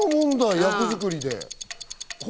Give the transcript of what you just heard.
役作りで？